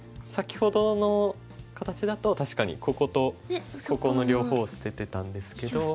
先ほどの形だと確かにこことここの両方を捨ててたんですけど。